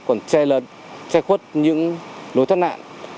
còn che lật che khuất những lối thoát nạn